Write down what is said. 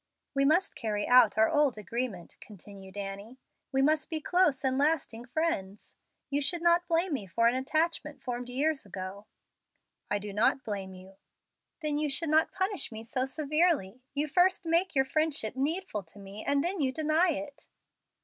"We must carry out our old agreement," continued Annie. "We must be close and lasting friends. You should not blame me for an attachment formed years ago." "I do not blame you." "Then you should not punish me so severely. You first make your friendship needful to me, and then you deny it."